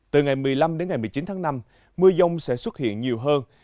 từ ngày một mươi năm một mươi chín tháng năm mưa giông sẽ xuất hiện nhiều hơn